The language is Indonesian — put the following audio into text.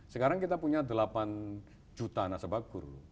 sekarang kita punya delapan juta nasabah guru